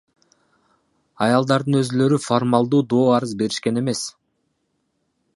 Аялдардын өзүлөрү формалдуу доо арыз беришкен эмес.